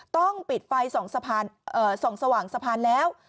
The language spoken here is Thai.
ต้องปิดไฟส่องสว่างสะพานแล้ว